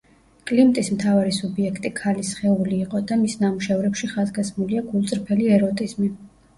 კლიმტის მთავარი სუბიექტი ქალის სხეული იყო და მის ნამუშევრებში ხაზგასმულია გულწრფელი ეროტიზმი.